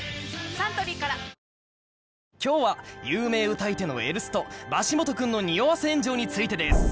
サントリーから今日は有名歌い手のエルストバシモト君の匂わせ炎上についてです。